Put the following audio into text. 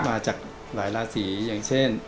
มาจากหลายราศีอย่างเช่น